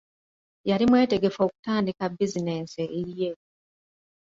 Yali mwetegefu okutandika bizinensi eyiye.